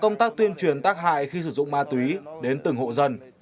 công tác tuyên truyền tác hại khi sử dụng ma túy đến từng hộ dân